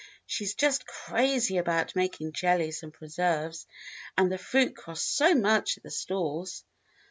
"She's just crazy about making jellies and preserves, and the fruit costs so much at the stores."